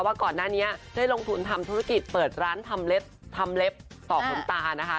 ว่าก่อนหน้านี้ได้ลงทุนทำธุรกิจเปิดร้านทำเล็บตอกน้ำตานะคะ